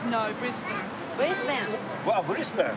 ブリスベン。